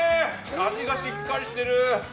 味がしっかりしてる！